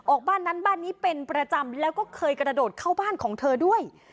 บ้านนั้นบ้านนี้เป็นประจำแล้วก็เคยกระโดดเข้าบ้านของเธอด้วย